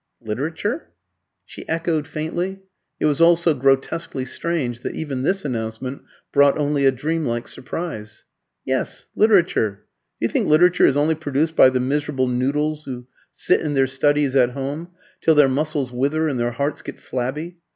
"Literature?" she echoed faintly. It was all so grotesquely strange that even this announcement brought only a dreamlike surprise. "Yes, literature. Do you think literature is only produced by the miserable noodles who sit in their studies at home, till their muscles wither and their hearts get flabby?